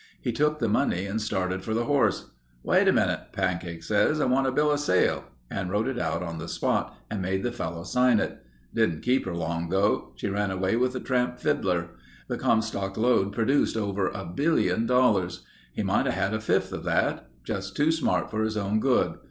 He took the money and started for the horse. "'Wait a minute,' Pancake says, 'I want a bill of sale,' and wrote it out on the spot, and made the fellow sign it. Didn't keep her long though. She ran away with a tramp fiddler. The Comstock Lode produced over a billion dollars. He might have had a fifth of that. Just too smart for his own good.